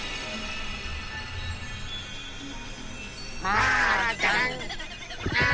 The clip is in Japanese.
マーちゃん。